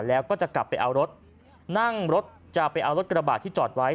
แล้วก็จะกลับไปเอารถนั่งรถจะไปเอารถกระบาดที่จอดไว้